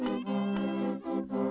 pertama suara dari biasusu